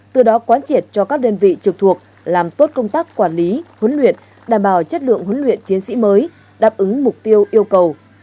từ đó quán triệt cho các đơn vị trực thuộc làm tốt công tác quản lý huấn luyện đảm bảo chất lượng huấn luyện chiến sĩ mới đáp ứng mục tiêu yêu cầu